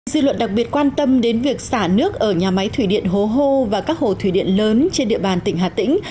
dư luận đặc biệt quan tâm đến việc xả nước ở nhà máy thủy điện hố hô và các hồ thủy điện lớn trên địa bàn tỉnh hà tĩnh